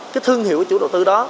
cái thương hiệu của chủ đầu tư đó